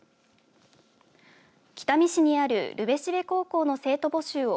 北見市にある留辺蘂高校の生徒募集を